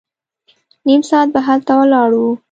نيم ساعت به هلته ولاړ وو.